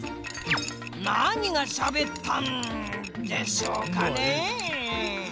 なにがしゃべったんでしょうかね。